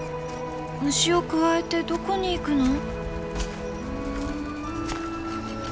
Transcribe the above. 虫をくわえてどこに行くの？」。